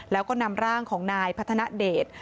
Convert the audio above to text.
แล้วก็นำร่างของนายพัฒนาเดช